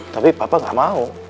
tapi bapak gak mau